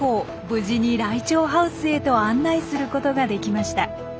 無事にライチョウハウスへと案内することができました。